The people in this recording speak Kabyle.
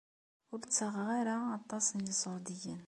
Ur ttaɣeɣ ara aṭas n yiṣurdiyen.